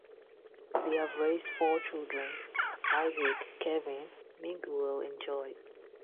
They have raised four children: Isaac, Kevin, Miguel and Joy.